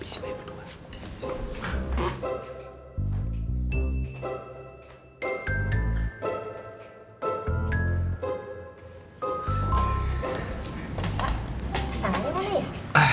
pak pesenannya mana ya